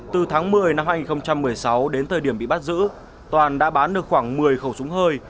từ tháng một mươi năm hai nghìn một mươi sáu đến thời điểm bị bắt giữ toàn đã bán được khoảng một mươi khẩu súng hơi